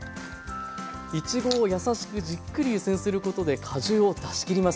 いちごをやさしくじっくり湯煎することで果汁を出しきります。